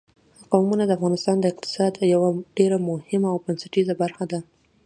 قومونه د افغانستان د اقتصاد یوه ډېره مهمه او بنسټیزه برخه ده.